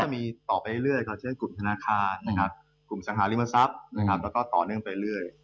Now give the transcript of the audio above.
มีต่อไปเรื่อยก็เช่นกลุ่มธนาคารกลุ่มสังหาริมทรัพย์แล้วก็ต่อเนื่องไปเรื่อย